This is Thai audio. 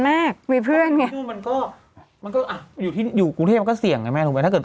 เมษายนปิดเมลมนะครับ